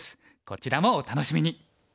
こちらもお楽しみに！